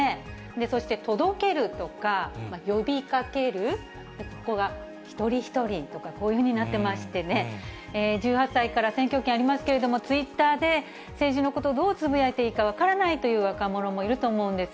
そして、届けるとか、呼びかける、ここが一人一人とか、こういうふうになってましてね、１８歳から選挙権ありますけれども、ツイッターで、政治のこと、どうつぶやいていいか分からないという若者もいると思うんです。